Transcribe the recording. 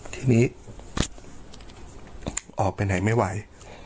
ทีนี้ออกไปไหนไม่ไหว